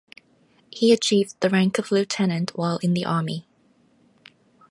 He achieved the rank of lieutenant while in the Army.